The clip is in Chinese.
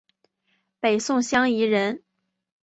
北宋襄邑人。